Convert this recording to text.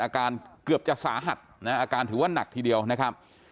อาการเกือบจะสาหัสนะอาการถือว่าหนักทีเดียวนะครับ